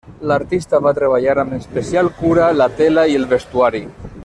L'artista va treballar amb especial cura la tela i el vestuari.